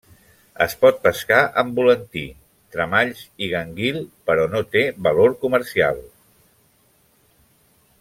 Es pot pescar amb volantí, tremalls i gànguil, però no té valor comercial.